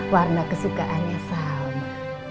warna kesukaannya salma